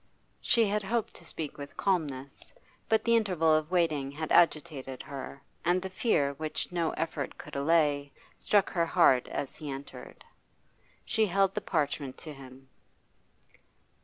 She had hoped to speak with calmness, but the interval of waiting had agitated her, and the fear which no effort could allay struck her heart as he entered. She held the parchment to him.